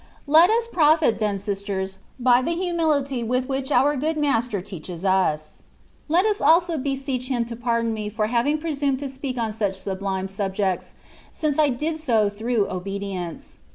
^ Let us profit then, sisters, by the humility with which our good Master teaches us; let us also beseech Him to pardon me for having presumed to speak on such sublime subjects, since I did so through obedience.